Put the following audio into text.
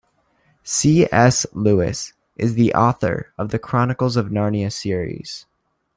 C.S. Lewis is the author of The Chronicles of Narnia series.